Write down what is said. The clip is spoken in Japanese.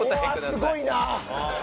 すごいな。